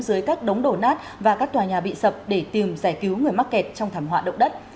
dưới các đống đổ nát và các tòa nhà bị sập để tìm giải cứu người mắc kẹt trong thảm họa động đất